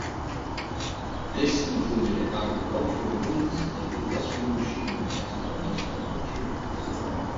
This included agricultural goods and industrial machinery as well as raw materials.